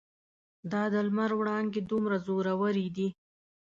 دا د لمر وړانګې دومره زورورې دي.